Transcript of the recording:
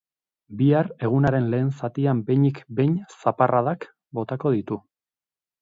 Bihar egunaren lehen zatian behinik behin zaparradak botako ditu.